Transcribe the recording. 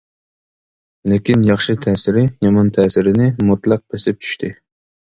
لېكىن ياخشى تەسىرى يامان تەسىرىنى مۇتلەق بېسىپ چۈشتى.